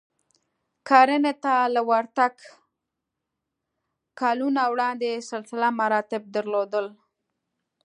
کرنې ته له ورتګ کلونه وړاندې سلسله مراتب درلودل